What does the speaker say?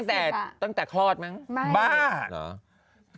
ตั้งแต่คลอดมึงนะแบบนี้บ้า